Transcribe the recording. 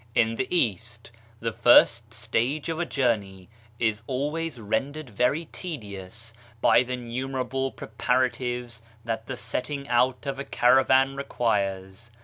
In the East, the first stage of a journey is always rendered very tedious by the numerable preparatives that the setting out of a cavaran requires.